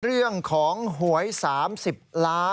เรื่องของหวย๓๐ล้าน